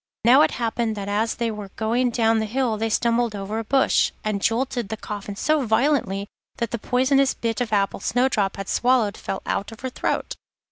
Now it happened that as they were going down the hill they stumbled over a bush, and jolted the coffin so violently that the poisonous bit of apple Snowdrop had swallowed fell out of her throat.